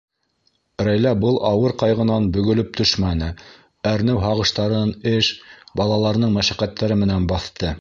Рәйлә был ауыр ҡайғынан бөгөлөп төшмәне, әрнеү-һағыштарын эш, балаларының мәшәҡәттәре менән баҫты.